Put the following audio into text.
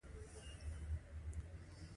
دې پرېکړه مستقیماً د خدای له لوري شوې ده.